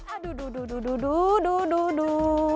aduh duduh duduh duduh duduh duduh